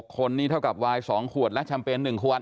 คนนี้เท่ากับวาย๒ขวดและแชมเปญ๑ขวด